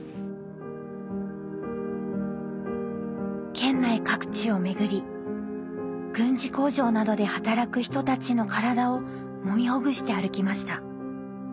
県内各地を巡り軍事工場などで働く人たちの体をもみほぐして歩きました。